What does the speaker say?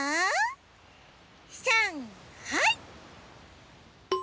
さんはい。